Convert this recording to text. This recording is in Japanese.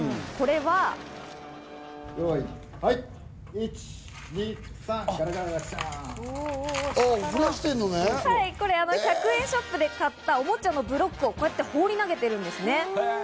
１、２、３。これ、１００円ショップで買った、おもちゃのブロックを放り投げているんですね。